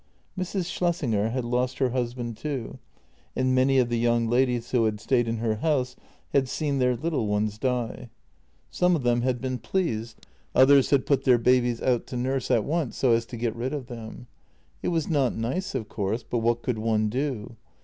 ... Mrs. Schlessinger had lost her husband too, and many of the young ladies who had stayed in her house had seen their little ones die; some of them had been pleased, others had put their babies out to nurse at once so as to get rid of them. It was not nice, of course, but what could one do?